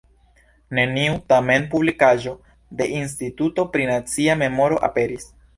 Neniu tamen publikaĵo de Instituto pri Nacia Memoro aperis.